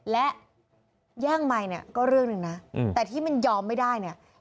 และแย่งไมค์เนี่ยก็เรื่องหนึ่งนะแต่ที่มันยอมไม่ได้เนี่ย